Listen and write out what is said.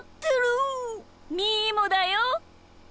みーもだよ！